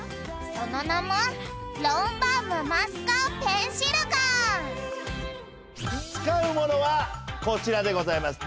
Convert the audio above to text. そのなもつかうものはこちらでございます。